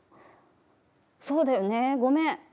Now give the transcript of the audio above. そうだよね、ごめん。